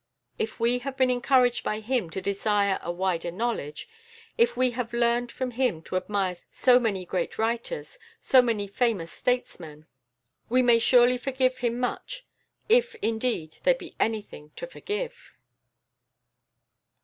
If we have been encouraged by him to desire a wider knowledge, if we have learnt from him to admire so many great writers, so many famous statesmen, we may surely forgive him much, if indeed there be anything to forgive.